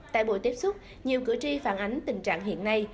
tại buổi tiếp xúc nhiều cử tri phản ánh tình trạng hiện nay